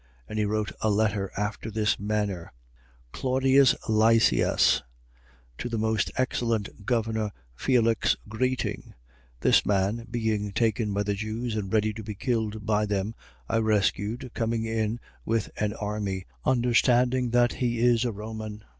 And he wrote a letter after this manner: 23:26. Claudius Lysias to the most excellent governor, Felix, greeting: 23:27. This man, being taken by the Jews and ready to be killed by them, I rescued, coming in with an army, understanding that he is a Roman.